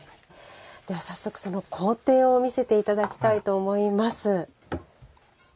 早速、その工程を見せていただきたいと思います。